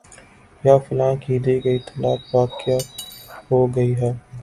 یا فلاں کی دی گئی طلاق واقع ہو گئی ہے